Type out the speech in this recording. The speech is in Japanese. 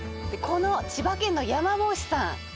この千葉県の山ぼうしさん